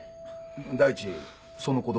第一その子供